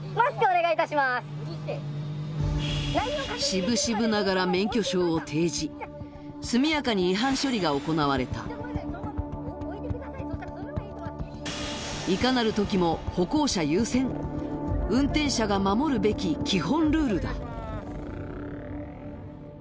渋々ながら速やかに違反処理が行われたいかなる時も歩行者優先運転者が守るべき基本ルールだ